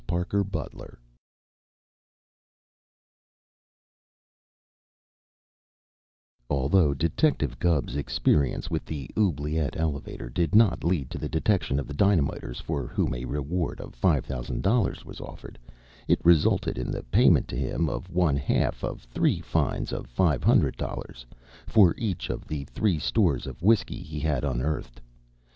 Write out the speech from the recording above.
THE UN BURGLARS Although Detective Gubb's experience with the oubliette elevator did not lead to the detection of the dynamiters for whom a reward of five thousand dollars was offered, it resulted in the payment to him of one half of three fines of five hundred dollars for each of the three stores of whiskey he had unearthed.